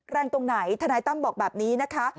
ตรงไหนทนายตั้มบอกแบบนี้นะคะ